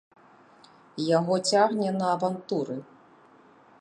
Яго цягне на авантуры.